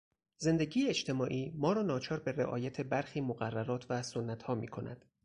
زندگی اجتماعی ما را ناچار به رعایت برخی مقررات و سنتها میکند.